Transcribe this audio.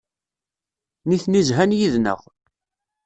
Nitni zhan yid-neɣ.